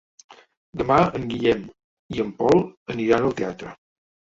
Demà en Guillem i en Pol aniran al teatre.